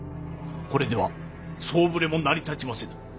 これでは総触れも成り立ちませぬ。